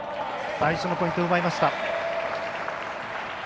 最初のポイント奪いました。